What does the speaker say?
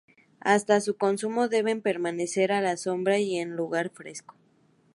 Hasta su consumo deben permanecer a la sombra y en lugar fresco.